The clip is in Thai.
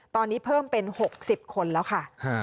ตอนนี้เพิ่มเป็น๖๐คนแล้วค่ะ